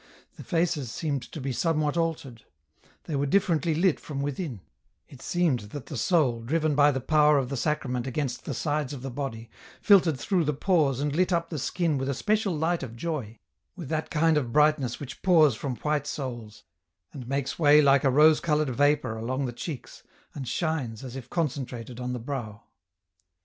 The faces seemed to be somewhat altered ; they were differently lit from within ; it seemed that the soul, driven by the power of the Sacrament against the sides of the body, filtered through the pores and lit up the skin with a special light of joy, with that kind of brightness which pours from white souls, and makes way like a rose coloured vapour along the cheeks, and shines, as if concentrated, on the brow.